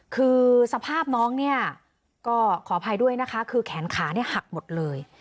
คือสภาพน้องเนี่ยก็ขออภัยด้วยนะคะคือแขนขาเนี่ยหักหมดเลย